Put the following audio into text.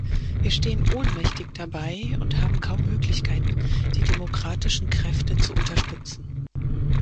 Wir stehen ohnmächtig dabei und haben kaum Möglichkeiten, die demokratischen Kräfte zu unterstützen.